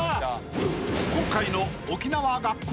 ［今回の沖縄学校